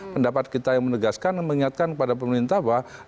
pendapat kita yang menegaskan mengingatkan kepada pemerintah bahwa